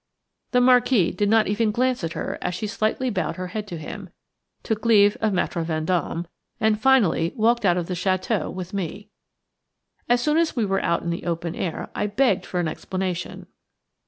The Marquis did not even glance at her as she slightly bowed her head to him, took leave of Maître Vendôme, and finally walked out of the château with me. As soon as we were out in the open air I begged for an explanation.